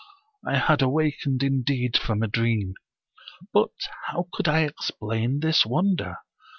I had awakened indeed from a dream, but how could I explain this wonder?